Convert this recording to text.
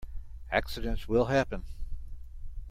Accidents will happen.